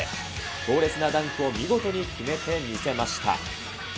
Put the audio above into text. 強烈なダンクを見事に決めて見せました。